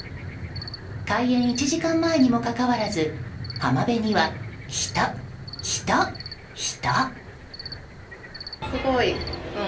開園１時間前にもかかわらず浜辺には人、人、人。